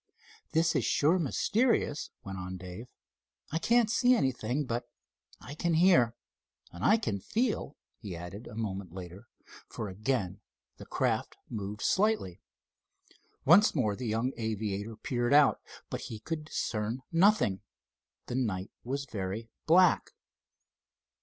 "This is sure mysterious," went on Dave. "I can't see anything, but I can hear, and I can—feel!" he added a moment later, for again the craft moved slightly. Once more the young aviator peered out, but he could discern nothing. The night was very black.